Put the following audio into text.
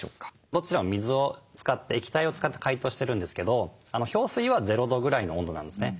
どちらも水を使って液体を使って解凍してるんですけど氷水は０度ぐらいの温度なんですね。